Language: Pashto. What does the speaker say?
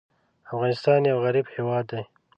افغانستان یو غریب هېواد دی.